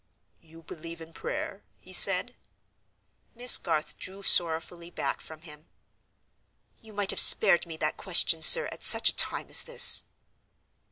"You believe in prayer?" he said. Miss Garth drew sorrowfully back from him. "You might have spared me that question sir, at such a time as this."